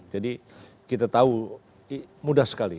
jadi kita tahu mudah sekali